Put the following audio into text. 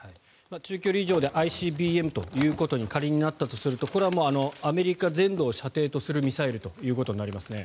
中距離以上でＩＣＢＭということに仮になったとするとこれはアメリカ全土を射程とするミサイルということになりますね。